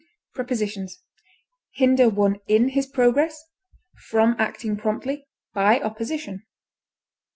Prepositions: Hinder one in his progress; from acting promptly; by opposition.